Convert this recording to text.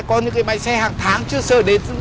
có những cái máy xe hàng tháng trước sơ đến